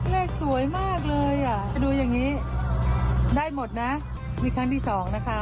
เลขสวยมากเลยอ่ะดูอย่างนี้ได้หมดนะนี่ครั้งที่สองนะคะ